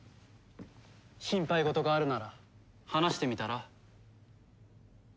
心配事があるなら話してみたら？